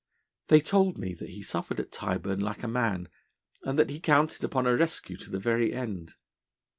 They told me that he suffered at Tyburn like a man, and that he counted upon a rescue to the very end.